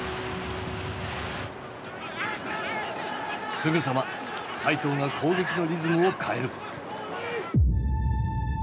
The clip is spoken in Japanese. すぐさま齋藤が攻撃のリズムを変える。